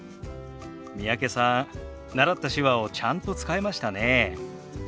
三宅さん習った手話をちゃんと使えましたね。